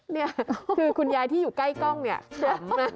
นี่คือคุณยายที่อยู่ใกล้กล้องเนี่ยผมนะ